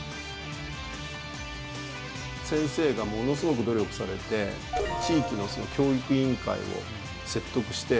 先生がものすごく努力されて地域の教育委員会を説得して朝課外なくしたんです。